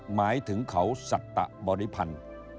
หมายถึงเขาสัตตะบริพันธ์